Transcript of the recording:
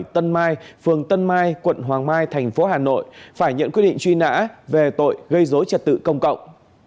tân mai phường tân mai quận hoàng mai thành phố hà nội phải nhận quyết định truy nã về tội gây dối trật tự công cộng